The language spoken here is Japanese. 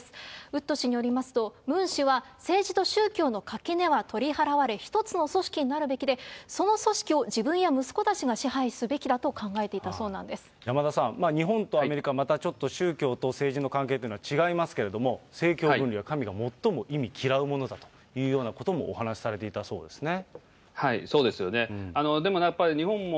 ウッド氏によりますと、ムン氏は、政治と宗教の垣根は取り払われ、一つの組織になるべきで、その組織を自分や息子たちが支配すべきだと考えていたそうなんで山田さん、日本とアメリカ、またちょっと宗教と政治の関係というのは違いますけれども、政教分離は神が最も忌み嫌うものだということもお話しされていたはい、そうですよね。